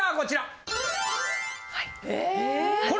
はい。